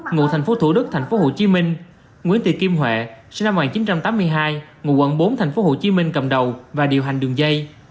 ngụ tp thủ đức tp hcm nguyễn tị kim huệ sinh năm một nghìn chín trăm tám mươi hai ngụ quận bốn tp hcm cầm đầu và điều hành đường dây